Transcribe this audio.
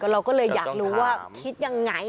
เราก็เลยอยากรู้ว่าคิดยังไง